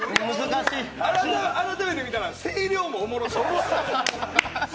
改めて見たら、声量もおもろそう。